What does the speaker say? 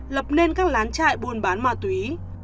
lập nên các lán chạy buôn bán ma túy